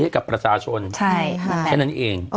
ให้กับประชาชนแค่นั้นเอง